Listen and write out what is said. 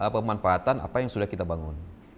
pemanfaatan apa yang sudah kita bangun